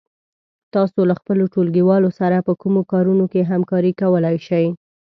تاسو له خپلو ټولگيوالو سره په کومو کارونو کې همکاري کولای شئ؟